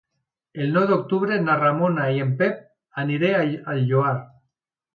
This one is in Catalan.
El nou d'octubre na Ramona i en Pep aniré al Lloar.